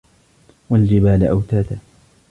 والجبال أوتادا